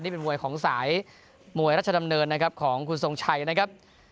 นี่เป็นมวยของสายมวยรัชดำเนินนะครับของคุณทรงชัยนะครับ